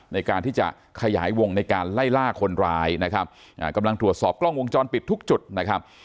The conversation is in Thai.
ในการที่จะขยายวงในการไล่ล่าคนร้ายนะครับอ่ากำลังตรวจสอบกล้องวงจรปิดทุกจุดนะครับ